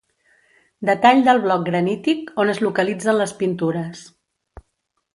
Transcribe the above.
Detall del bloc granític on es localitzen les pintures.